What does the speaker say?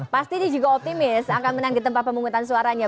pasti dia juga optimis akan menang di tempat pemungutan suaranya